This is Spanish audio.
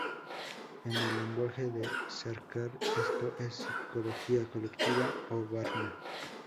En el lenguaje de Sarkar, esto es psicología colectiva o varna.